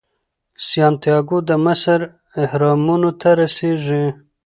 سانتیاګو د مصر اهرامونو ته رسیږي.